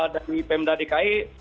dari pmd dki